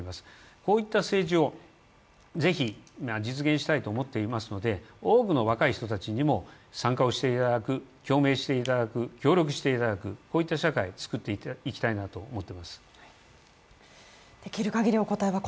こういった政治をぜひ実現したいと思っていますので、多くの若い人たちにも参加をしていただく、表明していただく、協力していただく、こういった社会をつくっていきたいと思っています。